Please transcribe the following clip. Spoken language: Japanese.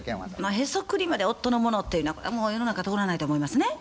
ヘソクリまで夫のものっていうのはこれはもう世の中通らないと思いますね。